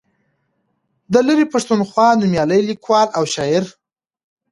د لرې پښتونخوا نومیالی لیکوال او شاعر